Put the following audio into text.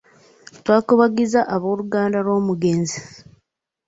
Twakubagizza abooluganda lw'omugenzi.